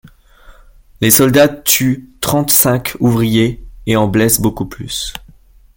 Les soldats tuent trente-cinq ouvriers et en blessent beaucoup plus.